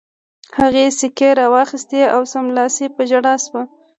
هغې سیکې را واخیستې او سملاسي په ژړا شوه